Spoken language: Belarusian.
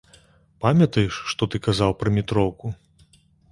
Памятаеш, што ты казаў пра метроўку?